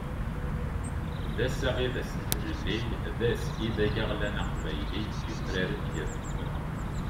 D ass-a i d ass n tlelli, d ass ideg aɣlan aqbayli, yufrar-d ger tmura.